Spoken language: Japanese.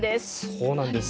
そうなんです。